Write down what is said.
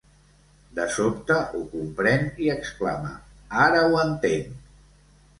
De sobte ho comprèn i exclama: ara ho entenc!